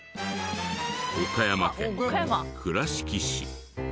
岡山県倉敷市。